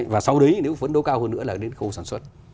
và sau đấy nếu phấn đấu cao hơn nữa là đến khâu sản xuất